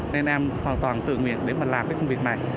nên em hoàn toàn tự nguyện để mà làm cái công việc này